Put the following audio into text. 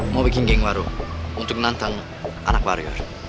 mau bikin geng baru untuk nantang anak warrior